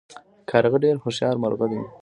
کارغه ډیر هوښیار مرغه دی